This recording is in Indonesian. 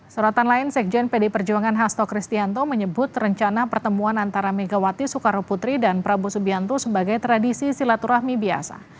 sorotan lain sekjen pd perjuangan hasto kristianto menyebut rencana pertemuan antara megawati soekarno putri dan prabowo subianto sebagai tradisi silaturahmi biasa